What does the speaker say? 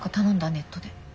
ネットで。